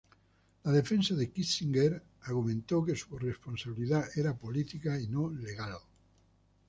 La defensa de Kissinger argumentó que su responsabilidad era política y no legal.